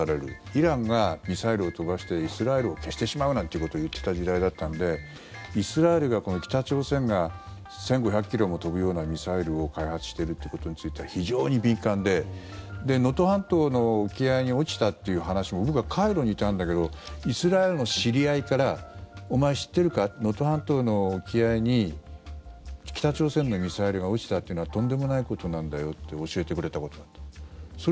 イランがミサイルを飛ばしてイスラエルを消してしまうなんていうことを言っていた時代だったのでイスラエルが、北朝鮮が１５００ｋｍも飛ぶようなミサイルを開発しているってことについては非常に敏感で能登半島の沖合に落ちたっていう話も僕はカイロにいたんだけどイスラエルの知り合いからお前、知ってるか能登半島の沖合に北朝鮮のミサイルが落ちたっていうのはとんでもないことなんだよって教えてくれたことがあったんです。